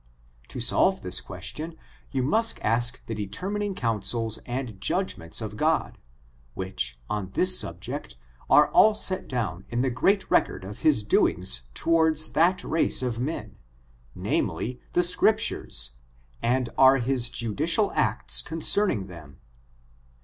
To solve this question, you must ask the determining councils and judgments of God, which, on this sub« ject, are all set down in the great record of his doings toward that race of men, namely, the Scriptures, and are his judicial acts concerning them.